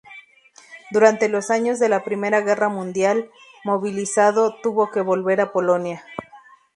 Durante los años de la Primera guerra mundial, movilizado, tuvo que volver a Polonia.